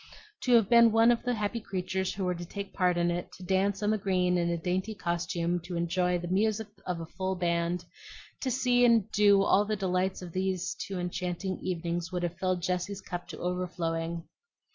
To have been one of the happy creatures who were to take part in it, to dance on the green in a dainty costume to the music of a full band, to see and do and enjoy all the delights of those two enchanting evenings, would have filled Jessie's cup to overflowing.